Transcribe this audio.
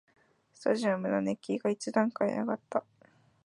スタジアムの熱気が一段階あがった